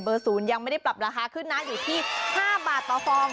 ๐ยังไม่ได้ปรับราคาขึ้นนะอยู่ที่๕บาทต่อฟอง